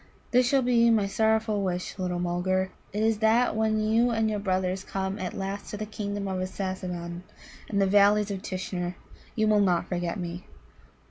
"This shall be my sorrowful wish, little Mulgar: it is that when you and your brothers come at last to the Kingdom of Assasimmon, and the Valleys of Tishnar, you will not forget me."